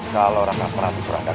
kalau raka prabu sorandaka